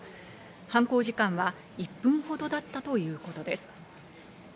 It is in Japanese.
犯行時間は１分ほどだったということです。